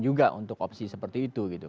juga untuk opsi seperti itu gitu